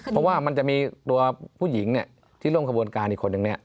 เพราะว่ามันจะมีตัวผู้หญิงที่ลงกระบวนการอีกคนนึง